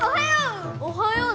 おはよう！